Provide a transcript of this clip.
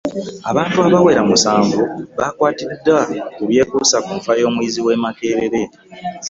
Abantu abawera musanvu bakwatiddwa ku byekuusa ku nfa y'omuyizi w'e Makerere